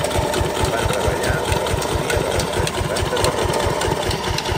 Va treballar a la cúria de l'Arquebisbat de Tarragona.